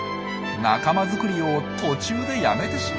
仲間作りを途中でやめてしまいました。